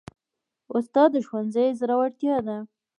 استاد د ښوونځي زړورتیا ده.